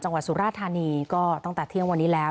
สุราธานีก็ตั้งแต่เที่ยงวันนี้แล้ว